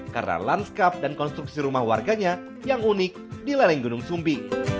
karena lanskap dan konstruksi rumah warganya yang unik di leleng gunung sumbi